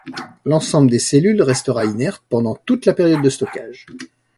L’ensemble des cellules restera inerte pendant toute la période de stockage.